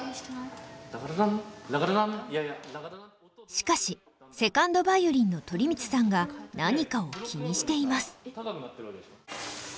しかし２ｎｄヴァイオリンの鳥光さんが何かを気にしています。